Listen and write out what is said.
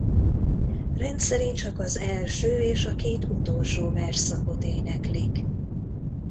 Rendszerint csak az első és a két utolsó versszakot éneklik.